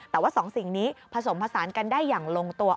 แต่ว่าสองสิ่งนี้ผสมผสานกันได้อย่างลงตัว